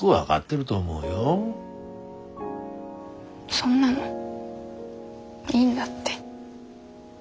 そんなのいいんだって。